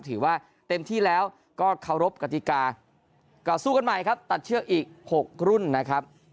ถือว่าเต็มที่แล้วก็เคารพกติกาก็สู้กันใหม่ครับตัดเชือกอีก๖รุ่นนะครับ